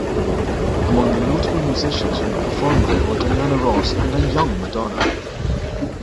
Among the notable musicians who performed there were Diana Ross and a young Madonna.